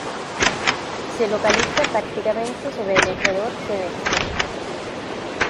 Se localiza prácticamente sobre el ecuador celeste.